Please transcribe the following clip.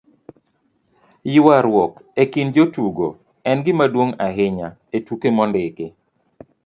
ywaruok e kind jotugo en gimaduong' ahinya e tuke mondiki